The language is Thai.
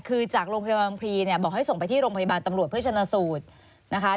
คือจากโรงพยาบาลพลีเนี่ยบอกให้ส่งไปที่โรงพยาบาลตำรวจเพื่อชนะสูตรนะคะ